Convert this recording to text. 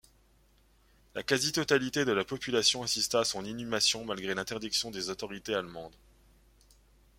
La quasi-totalité de la population assista à son inhumation malgré l'interdiction des autorités allemandes.